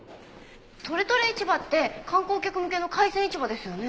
とれとれ市場って観光客向けの海鮮市場ですよね。